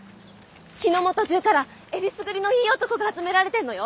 日の本中からえりすぐりのいい男が集められてんのよ！